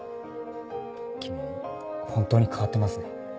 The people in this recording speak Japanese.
君本当に変わってますね。